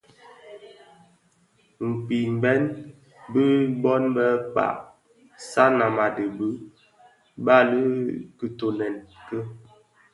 Kpimbèn bi bōn bë Mkpag. Sanam a dhi bi bali I kitoňèn ki.